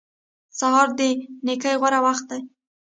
سهار د نېکۍ غوره وخت دی.